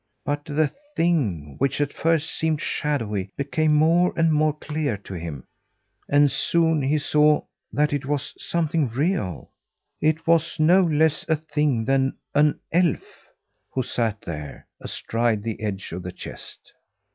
But the thing, which at first seemed shadowy, became more and more clear to him; and soon he saw that it was something real. It was no less a thing than an elf who sat there astride the edge of the chest!